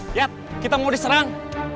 lihat kita mau diserang